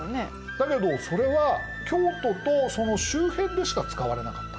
だけどそれは京都とその周辺でしか使われなかった。